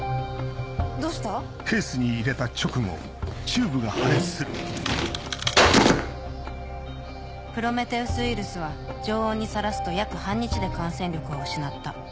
チューブの破裂音プロメテウス・ウイルスは常温にさらすと約半日で感染力を失った。